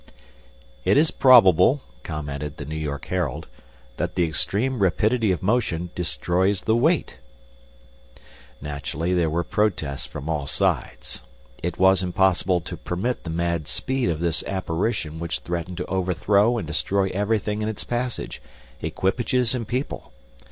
"It is probable," commented the New York Herald, "that the extreme rapidity of motion destroys the weight." Naturally there were protests from all sides. It was impossible to permit the mad speed of this apparition which threatened to overthrow and destroy everything in its passage, equipages and people.